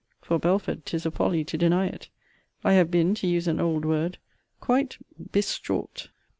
For, Belford, ('tis a folly to deny it,) I have been, to use an old word, quite bestraught.